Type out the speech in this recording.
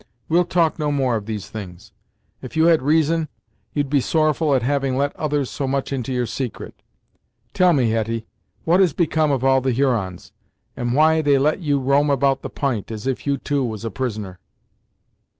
We'll talk no more of these things; if you had reason, you'd be sorrowful at having let others so much into your secret. Tell me, Hetty, what has become of all the Hurons, and why they let you roam about the p'int as if you, too, was a prisoner?"